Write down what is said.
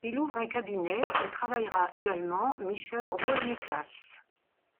Il ouvre un cabinet où travaillera également Michel Rolnikas.